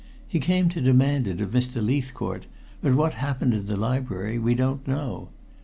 He came to demand it of Mr. Leithcourt, but what happened in the library we don't know.